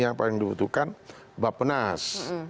yang paling dibutuhkan bapenas